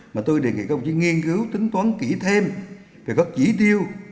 mà tôi đề nghị công chức nghiên cứu tính toán kỹ thêm về các chỉ tiêu